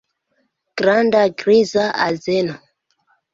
Granda griza azeno.